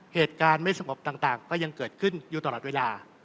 เหตุการณ์ไม่สงบต่างก็ยังเกิดขึ้นอยู่ตลอดเวลา